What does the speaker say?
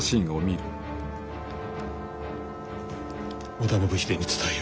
織田信秀に伝えよ。